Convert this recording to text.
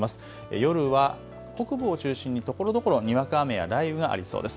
夜は北部を中心にところどころにわか雨や雷雨がありそうです。